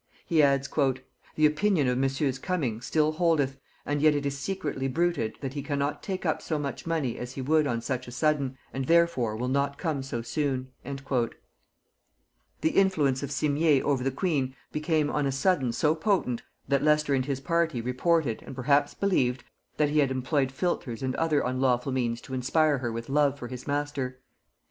He adds, "The opinion of Monsieur's coming still holdeth, and yet it is secretly bruited that he cannot take up so much money as he would on such a sudden, and therefore will not come so soon." [Note 83: "Illustrations," &c. vol. ii.] The influence of Simier over the queen became on a sudden so potent, that Leicester and his party reported, and perhaps believed, that he had employed philters and other unlawful means to inspire her with love for his master.